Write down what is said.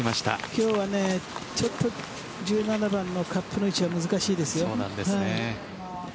今日は１７番のカップの位置は難しいですよ。